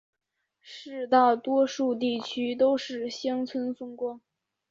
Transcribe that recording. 市内大多数地区都是乡村风光。